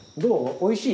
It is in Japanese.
おいしい？